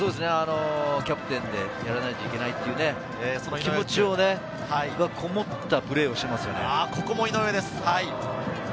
キャプテンでやらないといけないという気持ちがこもったプレーをしていますよね。